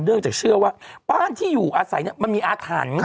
จากเชื่อว่าบ้านที่อยู่อาศัยมันมีอาถรรพ์